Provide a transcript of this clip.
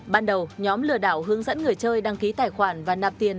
ban đầu nhóm lừa đảo hướng dẫn người chơi đăng ký tài khoản và nạp tiền